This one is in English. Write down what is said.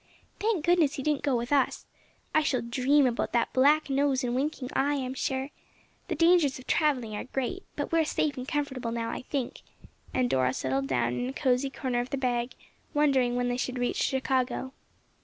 "Thank goodness he didn't go with us! I shall dream about that black nose and winking eye, I'm sure. The dangers of travelling are great, but we are safe and comfortable now, I think," and Dora settled down in a cozy corner of the bag, wondering when they should reach Chicago.